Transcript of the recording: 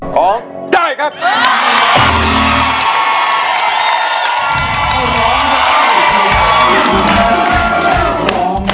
ร้องได้ครับ